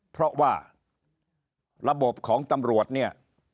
เพราะว่าระบบของตำรวจเนี่ย